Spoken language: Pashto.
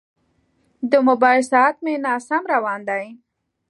د موبایل ساعت مې ناسم روان دی.